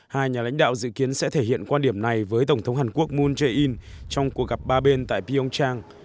hai nhà lãnh đạo dự kiến sẽ thể hiện quan điểm này với tổng thống hàn quốc moon jae in trong cuộc gặp ba bên tại pioncheng